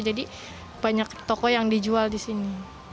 jadi banyak toko yang dijual di sini